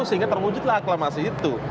sehingga terwujudlah aklamasi itu